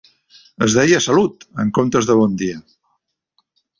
Es deia «Salut!» en comptes de «Bon dia»